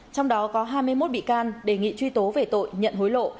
trong đó có hai mươi một bị can đề nghị truy tố về tội nhận hối lộ